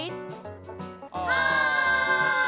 はい！